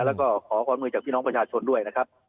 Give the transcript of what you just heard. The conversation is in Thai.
แล้วก็ขอความมือจากพี่น้องประชาชนด้วยนะครับ